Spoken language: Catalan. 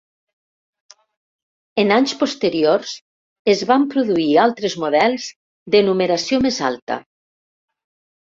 En anys posteriors es van produir altres models de numeració més alta.